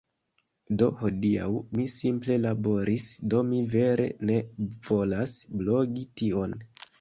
Do hodiaŭ, mi simple laboris, Do mi vere ne volas blogi tion...